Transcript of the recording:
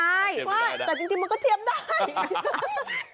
ใช่แต่จริงมันก็เทียมได้